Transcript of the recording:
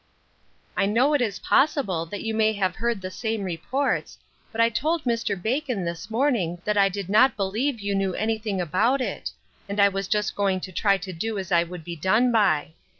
I KNOW it is possible that you may have heard the same reports, but I told Mr. Bacon this morning that I did not believe you knew anything about it ; and I was just going to try to do as I would be done by."